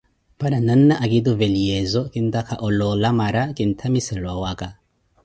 Paara nanna akituveliyezo kintaaka oloola mara kintamissele owaka.